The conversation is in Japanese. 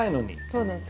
そうです。